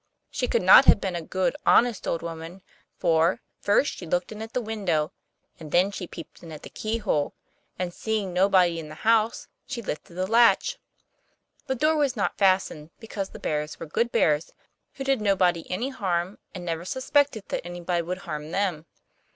She could not have been a good, honest old woman; for, first, she looked in at the window, and then she peeped in at the keyhole; and, seeing nobody in the house, she lifted the latch. The door was not fastened, because the bears were good bears, who did nobody any harm, and never suspected that anybody would harm them.